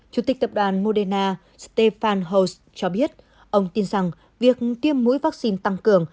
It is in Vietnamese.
chủ tịch tập đoàn modena stefan holtz cho biết ông tin rằng việc tiêm mũi vaccine tăng cường